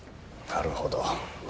なるほど。